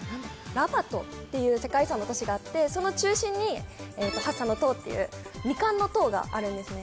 ラバトっていう世界遺産の都市があってその中心にハッサンの塔っていう未完の塔があるんですね